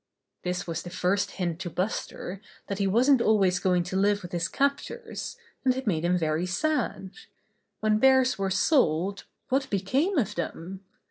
This was the first hint to Buster that he wasn't always going to live with his captors, and it made him very sad. When bears were sold, what became of them?